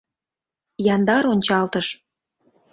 Яндар ончалтыш.